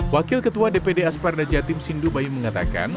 wakil ketua dpd asperda jatim sindubayu mengatakan